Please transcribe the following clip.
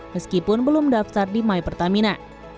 meskipun belum mendaftar di mypertamina